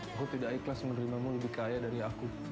aku tidak ikhlas menerimamu lebih kaya dari aku